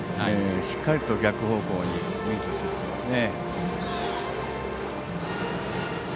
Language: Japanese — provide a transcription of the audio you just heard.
しっかりと逆方向にミートしてきてますね。